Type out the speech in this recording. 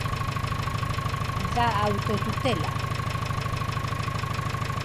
Da autotutela